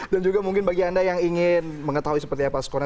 dan juga mungkin bagi anda yang ingin mengetahui seperti apa skornya